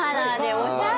おしゃれ！